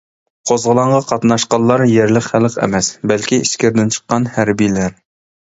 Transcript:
قوزغىلاڭغا قاتناشقانلار يەرلىك خەلق ئەمەس، بەلكى ئىچكىرىدىن چىققان ھەربىيلەر.